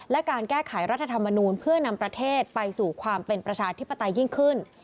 และการแก้ไขรัฐธรรมนูลเพื่อนำประเทศไปสู่ความเป็นประชาธิปไตยิ่งขึ้น